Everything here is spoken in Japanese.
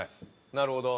なるほど。